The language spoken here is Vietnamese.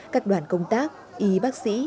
các đoàn công tác y bác sĩ